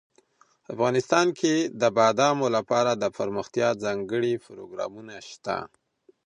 افغانستان کې د بادامو لپاره دپرمختیا ځانګړي پروګرامونه شته.